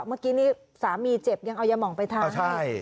เมื่อกี้นี่สามีเจ็บยังเอายาห่องไปทาน